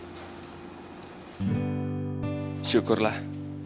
akhirnya rey bisa nemuin juga cewek yang bisa membuka hatinya lagi